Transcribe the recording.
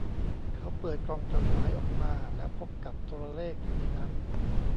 เขาเปิดกล่องจดหมายออกมาแล้วพบกับโทรเลขอยู่ในนั้น